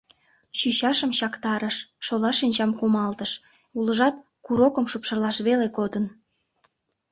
Чӱчашым чактарыш, шола шинчам кумалтыш, улыжат курокым шупшылаш веле кодын.